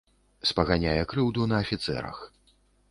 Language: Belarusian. Спаганяе крыўду на афіцэрах.